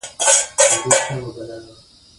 مصدر د فعل بنسټ دئ.